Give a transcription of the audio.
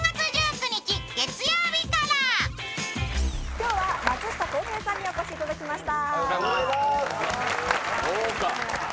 今日は松下洸平さんにお越しいただきました。